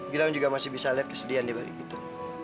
bilang juga masih bisa lihat kesedihan di balik itu